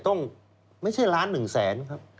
ต้องไม่ใช่ล้านหนึ่งแสนครับ